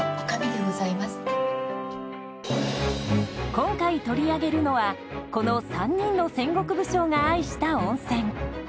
今回取り上げるのはこの３人の戦国武将が愛した温泉。